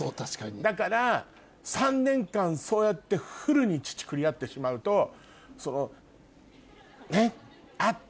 だから３年間そうやってフルに乳繰り合ってしまうとねっあっ！